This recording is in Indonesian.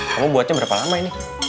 kamu buatnya berapa lama ini